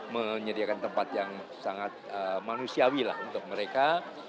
menyediakan tempat yang sangat manusiawi lah untuk mereka